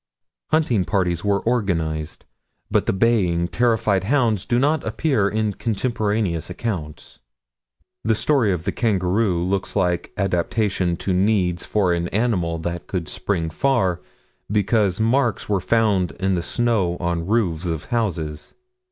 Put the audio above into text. Hunting parties were organized, but the baying, terrified hounds do not appear in contemporaneous accounts. The story of the kangaroo looks like adaptation to needs for an animal that could spring far, because marks were found in the snow on roofs of houses.